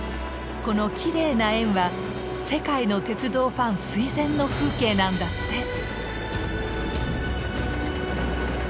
この綺麗な円は世界の鉄道ファン垂ぜんの風景なんだって！